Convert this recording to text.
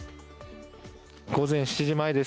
午前７時前です。